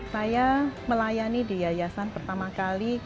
saya melayani di yayasan pertama kali